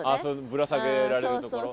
ぶら下げられるところ。